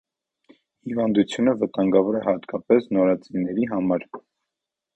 Հիվանդությունը վտանգավոր է հատկապես նորածինների համար։